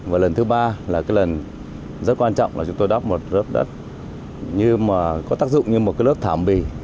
và lần thứ ba là lần rất quan trọng là chúng tôi đắp một lớp đất có tác dụng như một lớp thảm bì